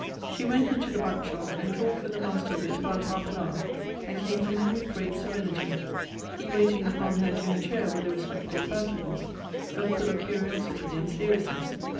She went into the back shop, and talked with the master of it about half an hour, and came from him with great serenity; he waiting upon her to her chair with a respectful countenance, but full of curiosity and seriousness.